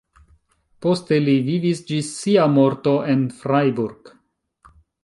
Poste li vivis ĝis sia morto en Freiburg.